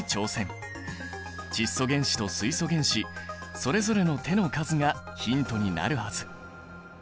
窒素原子と水素原子それぞれの手の数がヒントになるはず。